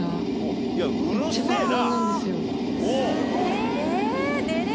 うるせぇな。